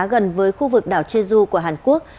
gần với khu vực đảo jeju của hàn quốc